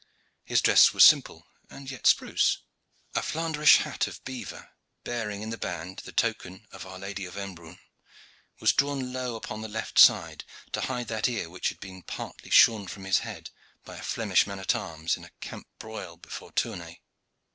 His dress was simple and yet spruce. A Flandrish hat of beevor, bearing in the band the token of Our Lady of Embrun, was drawn low upon the left side to hide that ear which had been partly shorn from his head by a Flemish man at arms in a camp broil before Tournay.